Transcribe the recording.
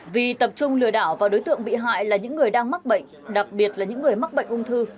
vì tập trung lừa đảo vào đối tượng bị hại là những người đang mắc bệnh đặc biệt là những người mắc bệnh ung thư